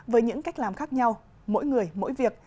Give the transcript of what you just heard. với những cách làm khác nhau mỗi người mỗi việc